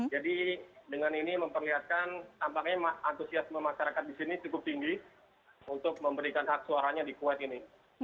jadi dengan ini memperlihatkan tampaknya antusias masyarakat di sini cukup tinggi untuk memberikan hak suaranya di kuwait ini